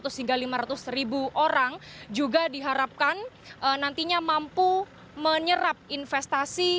dua ratus hingga lima ratus ribu orang juga diharapkan nantinya mampu menyerap investasi